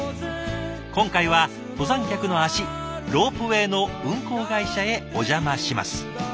今回は登山客の足ロープウェイの運行会社へお邪魔します。